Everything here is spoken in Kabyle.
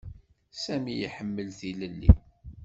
Sami iḥemmel tilelli.